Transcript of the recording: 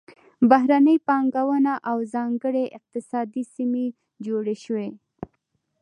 بهرنۍ پانګونه او ځانګړې اقتصادي سیمې جوړې شوې.